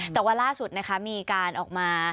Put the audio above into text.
แต่ว่าล่าสุดนะคะมีการออกมา